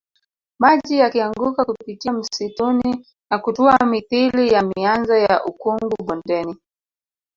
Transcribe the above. Maji yakianguka kupitia msituni na kutua mithili ya mianzo ya ukungu bondeni